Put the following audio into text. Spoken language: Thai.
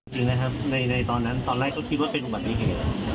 จริงนะครับในตอนนั้นตอนแรกก็คิดว่าเป็นอุบัติเหตุ